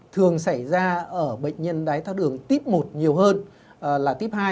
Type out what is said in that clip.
thường xảy ra ở bệnh nhân đáy ra đường tiếp một nhiều hơn là tiếp hai